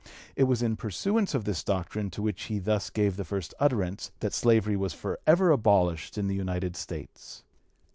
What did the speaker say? It was in pursuance of the doctrine to which he thus gave the first utterance that slavery was forever abolished in the United States.